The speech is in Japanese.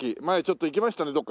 前ちょっと行きましたね。